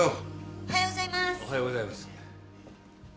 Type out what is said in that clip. おはようございます。